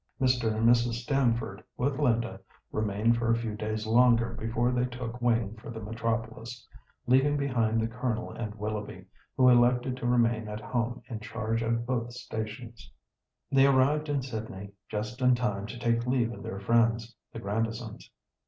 Mr. and Mrs. Stamford, with Linda, remained for a few days longer before they took wing for the metropolis, leaving behind the Colonel and Willoughby, who elected to remain at home in charge of both stations. They arrived in Sydney just in time to take leave of their friends, the Grandisons.